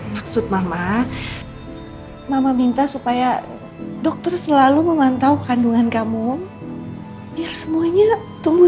maksud mama mama minta supaya dokter selalu memantau kandungan kamu biar semuanya tumbuh